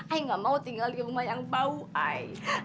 ayah nggak mau tinggal di rumah yang bau ayah